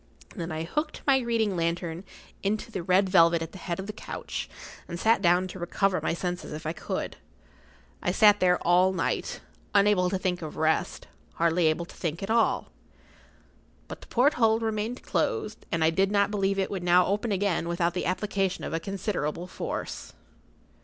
Then I hooked my reading lantern into the red velvet at the head of the couch, and sat down to recover my senses if I could. I sat there all night, unable to think of rest—hardly able to think at all. But the porthole remained closed, and I did not believe it would now open again without the application of a considerable force.